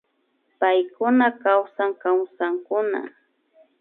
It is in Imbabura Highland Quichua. Paykuna kawsan kawsankuna